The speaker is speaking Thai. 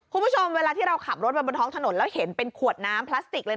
คุณผู้ชมเวลาที่เราขับรถแล้วเราเห็นคนขวดน้ำพลาสติก